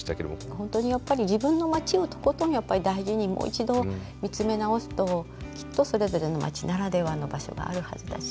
本当にやっぱり自分の町をとことん大事にもう一度見つめ直すときっとそれぞれの町ならではの場所があるはずだし。